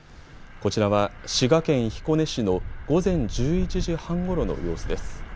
こちらは滋賀県彦根市の午前１１時半ごろの様子です。